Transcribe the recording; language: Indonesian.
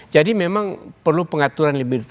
jadi memang perlu pengaturan pengaturan yang lebih detail